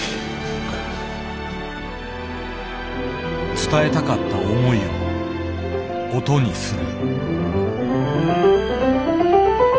伝えたかった思いを音にする。